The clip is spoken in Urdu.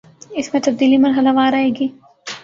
اس میں تبدیلی مرحلہ وار آئے گی